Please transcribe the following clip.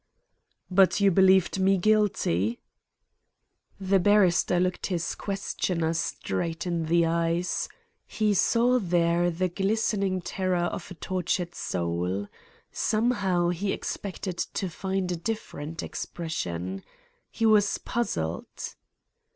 "But you believed me guilty?" The barrister looked his questioner straight in the eyes. He saw there the glistening terror of a tortured soul. Somehow he expected to find a different expression. He was puzzled.